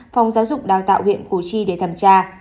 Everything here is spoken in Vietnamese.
phòng giáo dục đào tạo huyện củ chi để thẩm tra